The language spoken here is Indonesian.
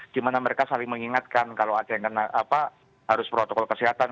di mana mereka saling mengingatkan kalau ada yang harus protokol kesehatan